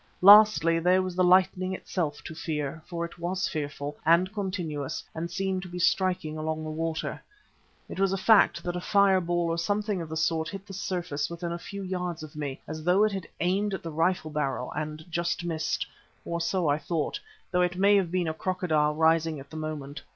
Lastly there was the lightning itself to fear, for it was fearful and continuous and seemed to be striking along the water. It was a fact that a fire ball or something of the sort hit the surface within a few yards of me, as though it had aimed at the rifle barrel and just missed. Or so I thought, though it may have been a crocodile rising at the moment.